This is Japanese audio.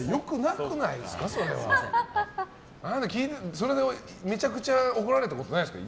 それでめちゃくちゃ怒られたことないですか？